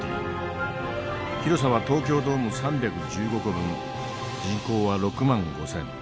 広さは東京ドーム３１５個分人口は６万５，０００。